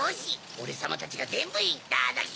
オレさまたちがぜんぶいっただき！